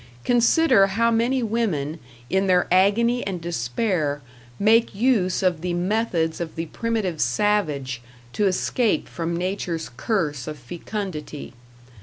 Consider how many women, in their agony and despair, make use of the methods of the primitive savage, to escape from Nature's curse of fecundity.